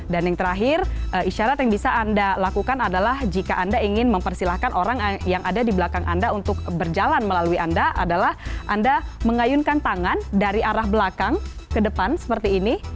dan yang terakhir isyarat yang bisa anda lakukan adalah jika anda ingin mempersilahkan orang yang ada di belakang anda untuk berjalan melalui anda adalah anda mengayunkan tangan dari arah belakang ke depan seperti ini